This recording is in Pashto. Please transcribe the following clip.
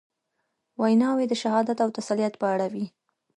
ویناوي د شهادت او تسلیت په اړه وې.